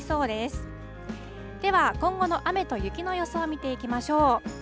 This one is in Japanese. では、今後の雨と雪の予想を見ていきましょう。